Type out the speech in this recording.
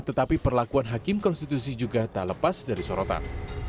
tetapi perlakuan hakim konstitusi juga tak lepas dari sorotan